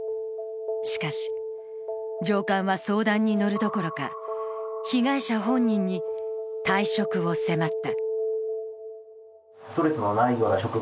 しかし、上官は相談に乗るどころか被害者本人に退職を迫った。